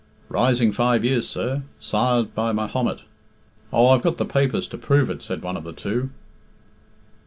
"Rising five years, sir. Sired by Mahomet. Oh, I've got the papers to prove it," said one of the two.